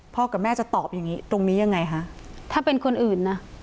กับแม่จะตอบอย่างงี้ตรงนี้ยังไงคะถ้าเป็นคนอื่นนะ